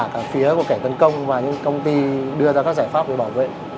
cả phía của kẻ tấn công và những công ty đưa ra các giải pháp để bảo vệ